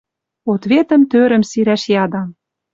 Ответӹм тӧрӹм сирӓш ядам.